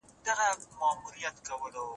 کمپيوټر ټکنالوژي بدلوي.